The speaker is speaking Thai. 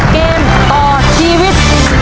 เกมต่อชีวิต